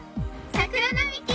桜並木！